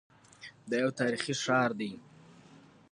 دا یو تاریخي ښار دی.